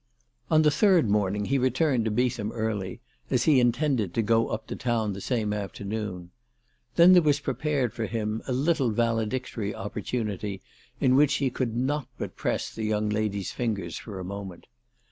On the third morning he returned to Beetham early, as he intended to go up to town the same afternoon. Then there was prepared for him a little valedictory opportunity in which he could not but press the young lady's fingers for a moment.